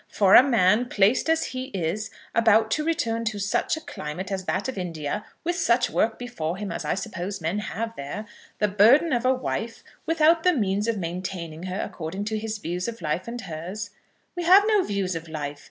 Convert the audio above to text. "For a man, placed as he is, about to return to such a climate as that of India, with such work before him as I suppose men have there, the burden of a wife, without the means of maintaining her according to his views of life and hers " "We have no views of life.